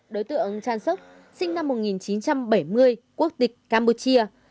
đối tượng trang sốc sinh năm một nghìn chín trăm bảy mươi quốc tịch campuchia